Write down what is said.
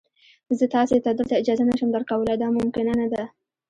زه تاسي ته دلته اجازه نه شم درکولای، دا ممکنه نه ده.